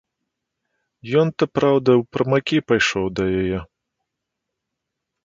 Ён то, праўда, у прымакі пайшоў да яе.